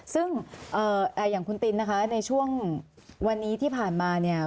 ซึ่งอย่างคุณตินนะคะในช่วงวันนี้ที่ผ่านมาเนี่ย